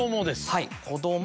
はい「こども」。